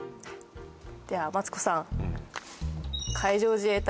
ではマツコさん